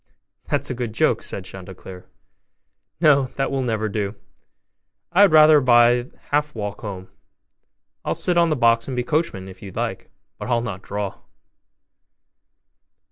'That's a good joke!' said Chanticleer; 'no, that will never do; I had rather by half walk home; I'll sit on the box and be coachman, if you like, but I'll not draw.